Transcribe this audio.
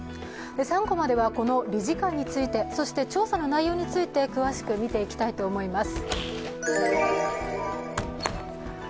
３コマではこの理事会について、そして調査の内容について詳しく見ていきたいと思います。